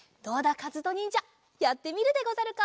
かずとにんじゃやってみるでござるか？